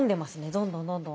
どんどんどんどん。